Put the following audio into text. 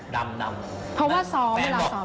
ด่ำด่ำเพราะว่ากินซ้อม